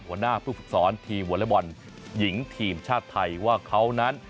หัวหน้าผู้ฝึกสอนทีมวอเล็กบอลหญิงทีมชาติไทยว่าเขานั้น